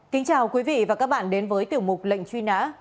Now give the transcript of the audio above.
kính chào quý vị và các bạn đến với tiểu mục lệnh truy nã